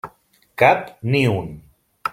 Cap ni un.